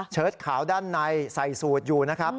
ขาวด้านในใส่สูตรอยู่นะครับ